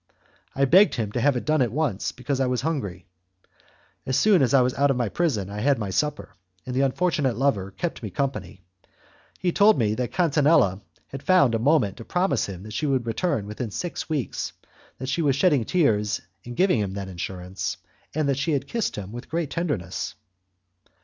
I begged him to have it done at once, because I was hungry. As soon as I was out of my prison I had my supper, and the unfortunate lover kept me company. He told me that Catinella had found a moment to promise him that she would return within six weeks, that she was shedding tears in giving him that assurance, and that she had kissed him with great tenderness.